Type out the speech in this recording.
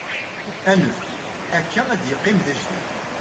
anef akka ad yeqqim d ajdid